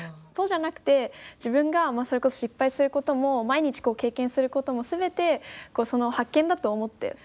そうじゃなくて自分がそれこそ失敗することも毎日経験することも全て発見だと思って。